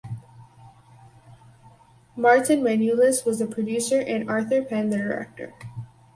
Martin Manulis was the producer and Arthur Penn the director.